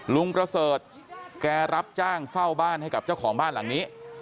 ลุงประเสริฐแกรับจ้างเฝ้าบ้านให้กับเจ้าของบ้านหลังนี้